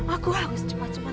aku harus cepat cepat